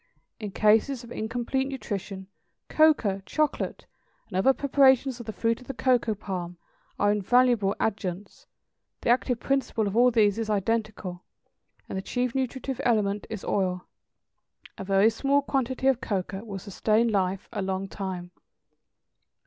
In cases of incomplete nutrition, cocoa, chocolate, and other preparations of the fruit of the cocoa palm, are invaluable adjuncts; the active principle of all these is identical, and the chief nutritive element is oil. A very small quantity of cocoa will sustain life a long time.